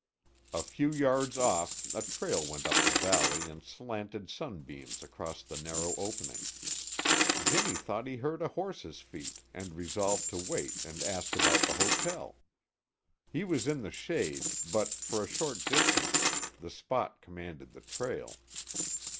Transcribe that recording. A few yards off a trail went up the valley and slanted sunbeams crossed the narrow opening. Jimmy thought he heard a horse's feet and resolved to wait and ask about the hotel. He was in the shade, but for a short distance the spot commanded the trail.